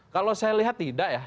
kalau saya lihat tidak ya